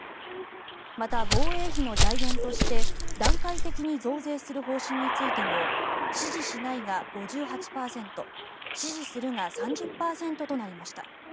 また、防衛費の財源として段階的に増税する方針についても支持しないが５８％支持するが３０％となりました。